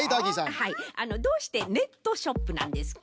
はいあのどうしてネットショップなんですか？